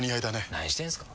何してんすか。